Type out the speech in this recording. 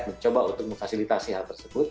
mencoba untuk memfasilitasi hal tersebut